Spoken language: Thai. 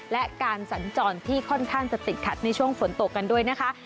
และการสัญจรที่ค่อนข้างจะติดขัดในช่วงฝนตกกันด้วยนะคะ